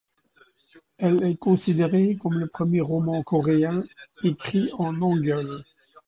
Elle est considérée comme le premier roman coréen, écrit en hangeul.